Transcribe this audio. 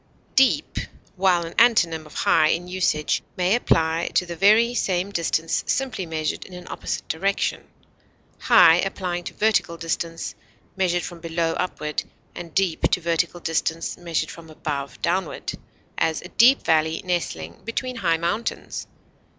Deep, while an antonym of high in usage, may apply to the very same distance simply measured in an opposite direction, high applying to vertical distance measured from below upward, and deep to vertical distance measured from above downward; as, a deep valley nestling between high mountains.